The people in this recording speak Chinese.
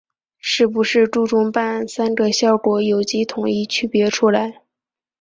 是不是注重办案‘三个效果’有机统一区别出来